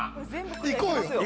いこうよ。